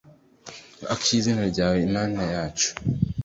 Ak’izina ryawe Mana yacu